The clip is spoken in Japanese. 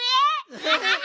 アハハハ！